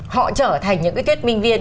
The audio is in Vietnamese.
họ trở thành những cái kết minh viên